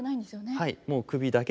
はい。